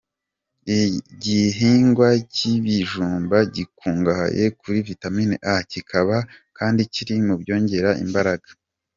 Igihingwa cy’ibijumba gikungahaye kuri Vitamini A, kikaba kandi kiri mu byongera imbaraga.